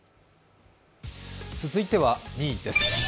続いては２位です。